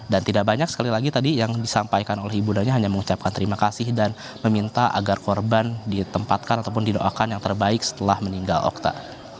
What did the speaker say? dan tidak banyak sekali lagi tadi yang disampaikan oleh ibu dan hanya mengucapkan terima kasih dan meminta agar korban ditempatkan ataupun didoakan yang terbaik setelah meninggal okta